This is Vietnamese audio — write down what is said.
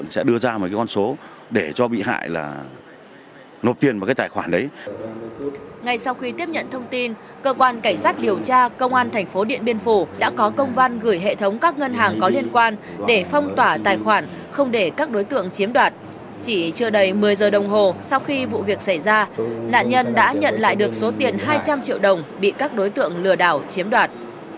sau khi vụ việc xảy ra nạn nhân đã nhận lại được số tiền hai trăm linh triệu đồng bị các đối tượng lừa đảo chiếm đoạt